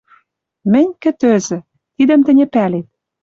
Мӹнь — кӹтӧзӹ, тидӹм тӹньӹ пӓлет...